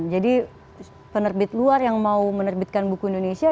jadi penerbit luar yang mau menerbitkan buku indonesia